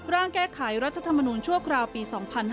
ร่างแก้ไขรัฐธรรมนูญชั่วคราวปี๒๕๕๙